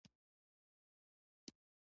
د کلیوالي سړکونو جوړول روان دي